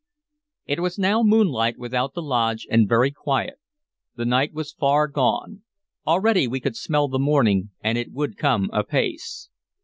It was now moonlight without the lodge and very quiet. The night was far gone; already we could smell the morning, and it would come apace.